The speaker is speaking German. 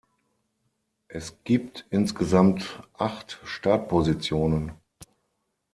Es gibt insgesamt acht Startpositionen.